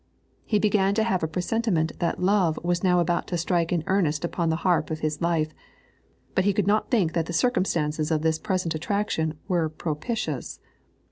He began to have a presentiment that Love was now about to strike in earnest upon the harp of his life, but he could not think that the circumstances of this present attraction were propitious.